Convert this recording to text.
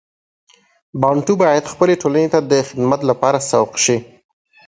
بانټو باید خپلې ټولنې ته د خدمت لپاره سوق شي.